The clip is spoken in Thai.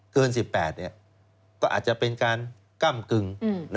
เกิน๑๘ก็อาจจะเป็นการก้ำกึ่ง